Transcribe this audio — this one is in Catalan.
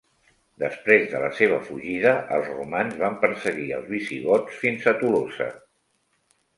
Després de la seva fugida, els romans van perseguir els visigots fins a Tolosa.